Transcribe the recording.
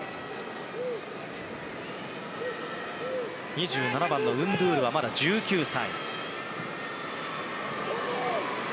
２７番のンドゥールはまだ１９歳。